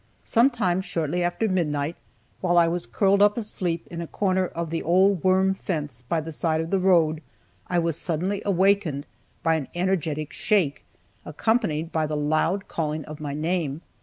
Some time shortly after midnight, while I was curled up asleep in a corner of the old worm fence by the side of the road, I was suddenly awakened by an energetic shake, accompanied by the loud calling of my name.